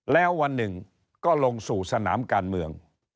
แล้ววันหนึ่งก็ลงสู่สนามการเมือง